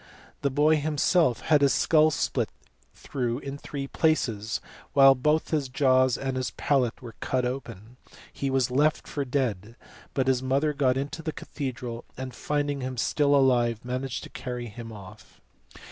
The boy himself had his skull split through in three places, while both his jaws and his palate were cut open ; he was left for dead, but his mother got into the cathedral, and finding him still alive managed to carry him off.